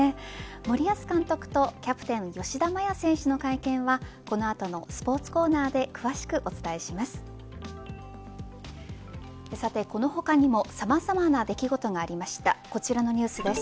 森保監督とキャプテン吉田麻也選手の会見はこの後のスポーツコーナーで詳しくお伝えします。